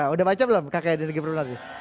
udah baca belum kked negeri penari